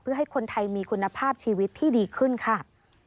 เพื่อให้คนไทยมีคุณภาพชีวิตที่ดีขึ้นค่ะ